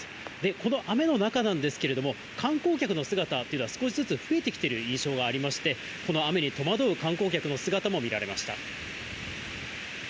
この雨の中なんですけれども、観光客の姿というのは少しずつ増えてきている印象がありまして、この雨に戸惑う観光客の姿も見られました。